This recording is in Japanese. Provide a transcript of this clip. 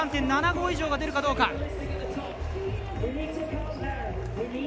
９３．７５以上が出るかどうか。